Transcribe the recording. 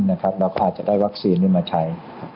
เราก็อาจจะได้วัคซีนนี้มาใช้